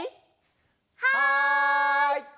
はい！